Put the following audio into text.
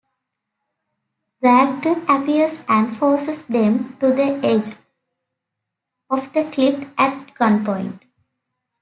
Bragdon appears and forces them to the edge of the cliff at gunpoint.